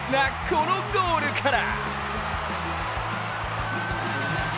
このゴールから。